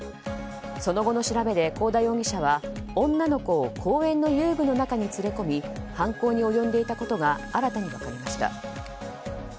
その後の調べで幸田容疑者は女の子を公園の遊具の中に連れ込み犯行に及んでいたことが新たに分かりました。